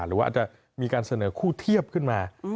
หรือว่าอาจจะมีการเสนอคู่เทียบขึ้นมา